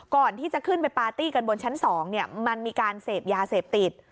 ก่อนที่จะขึ้นไปปาร์ตี้กันบนชั้น๒มันมีการเสพยาเสพติด